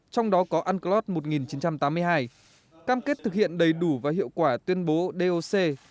trong đó có unclos một nghìn chín trăm tám mươi hai cam kết thực hiện đầy đủ và hiệu quả tuyên bố doc